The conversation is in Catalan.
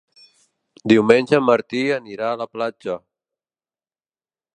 Diumenge en Martí anirà a la platja.